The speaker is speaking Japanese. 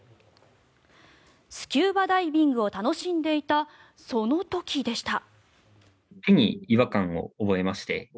スキューバダイビングを楽しんでいたその時でした。